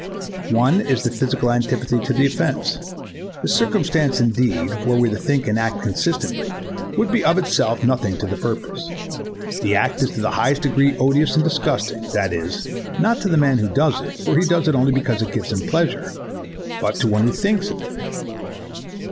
1. One is the physical antipathy to the offence. This circumstance indeed, were we to think and act consistently, would of itself' be nothing to the purpose. The act is to the highest degree odious and disgusting, that is, not to the man who does it, for he does it only because it gives him pleasure, but to one who thinks [?] of it.